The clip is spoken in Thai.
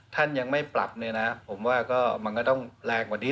ท่านยังไม่ปรับเนี่ยนะผมว่าก็มันก็ต้องแรงกว่านี้